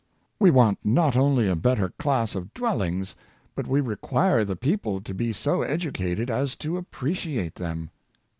We want not only a better class of dwellings, but we require the people to be so educated as to appreci ate them.